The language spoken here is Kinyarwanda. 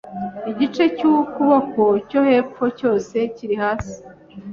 igice cy’ukuboko cyo hepfo cyose kiri hasi